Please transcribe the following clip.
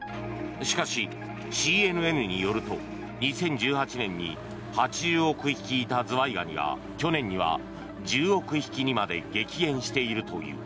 しかし、ＣＮＮによると２０１８年に８０億匹いたズワイガニが去年には１０億匹にまで激減しているという。